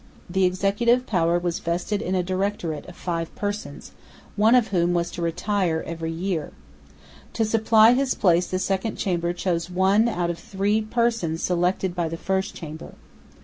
The Executive Power was vested in a Directorate of five persons, one of whom was to retire every year. To supply his place the Second Chamber chose one out of three persons selected by the First Chamber.